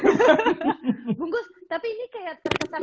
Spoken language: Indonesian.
bungkus tapi ini kayak kerencam